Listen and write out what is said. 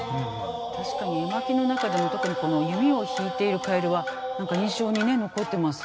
確かに絵巻の中でも特にこの弓を引いている蛙は何か印象にね残ってます。